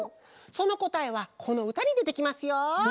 そのこたえはこのうたにでてきますよ！